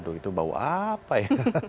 aduh itu bau apa ya